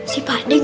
si pak d